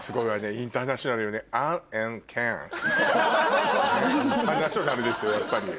インターナショナルですよやっぱり。